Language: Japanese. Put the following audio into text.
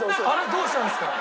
どうしたんですか？